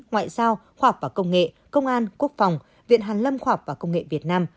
ngoại giao khoa học và công nghệ công an quốc phòng viện hàn lâm khoa học và công nghệ việt nam